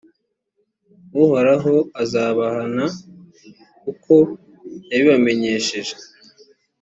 uhoraho azabahana uko yabibamenyesheje